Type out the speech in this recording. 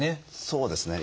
そうですね。